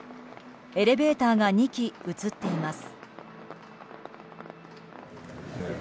エレベーターが２基映っています。